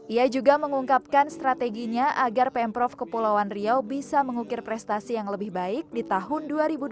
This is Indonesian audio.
ia juga mengungkapkan strateginya agar pemprov kepulauan riau bisa mengukir prestasi yang lebih baik di tahun dua ribu dua puluh